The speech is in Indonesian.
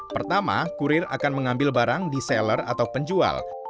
pertama kurir akan mengambil barang di seller atau penjual